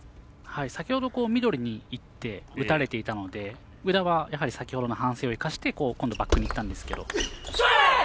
先ほどミドルにいって打たれていたので宇田は先ほどの反省を生かして今度、バックにいったんですけど。